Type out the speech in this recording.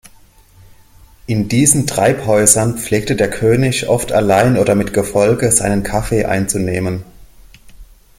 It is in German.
In diesen Treibhäusern pflegte der König oft allein oder mit Gefolge seinen Kaffee einzunehmen.